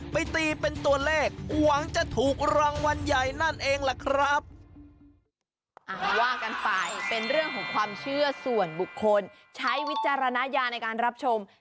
ไปตีเป็นตัวเลขหวังจะถูกรางวัลใหญ่นั่นเองล่ะครับ